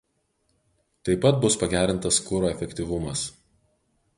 Taip pat bus pagerintas kuro efektyvumas.